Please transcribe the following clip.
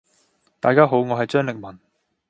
大家好，我係張力文。